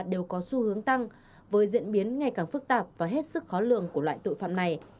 đều có xu hướng tăng với diễn biến ngày càng phức tạp và hết sức khó lường của loại tội phạm này